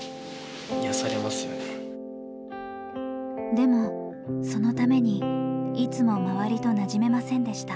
でもそのためにいつも周りとなじめませんでした。